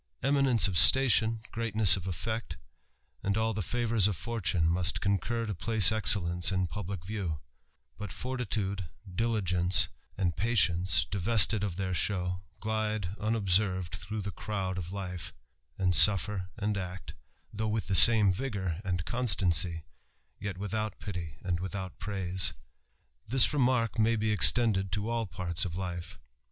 Eminence of station, greatness of effect, and all the tivours of fortune, must concur to place excellence in publick view ; but fortitude, diligence, and patience, divested of their show, gUde unobserved through the crowd of life, and suffer and act, though with the same vigour, and constancy, yet without pity and without praise. This remark may be extended to all parts of life.